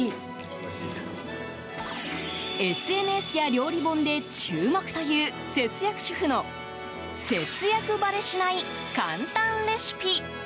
ＳＮＳや料理本で注目という節約主婦の節約ばれしない簡単レシピ。